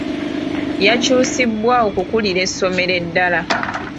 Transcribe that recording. Yakyusibwa okukuulira essomero eddala.